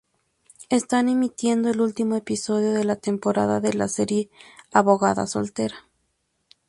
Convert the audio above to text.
Están emitiendo el último episodio de la temporada de la serie "abogada soltera".